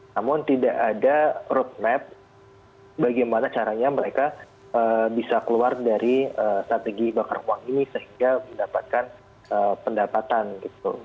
namun tidak ada roadmap bagaimana caranya mereka bisa keluar dari strategi bakar uang ini sehingga mendapatkan pendapatan gitu